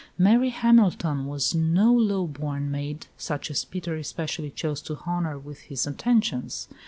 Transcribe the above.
Mary Hamilton was no low born maid, such as Peter especially chose to honour with his attentions.